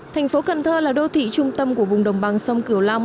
thành phố cần thơ là đô thị trung tâm của vùng đồng bằng sông cửu long